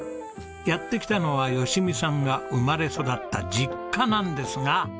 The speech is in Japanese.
やって来たのは淑美さんが生まれ育った実家なんですが。